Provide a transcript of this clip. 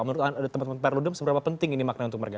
menurut teman teman pak erludem seberapa penting ini makna untuk mereka